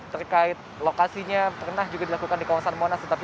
terkait lokasinya pernah juga dilakukan di kawasan monas